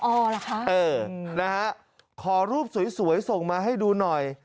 เหรอคะเออนะฮะขอรูปสวยส่งมาให้ดูหน่อย